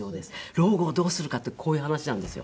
老後をどうするかっていうこういう話なんですよ。